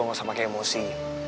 nggak usah pakai emosi